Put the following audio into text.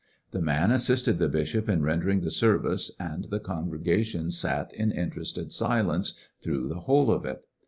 The man assisted the bishop in rendering the sarvicCj and the congregation sat in interested silence through the whole of it.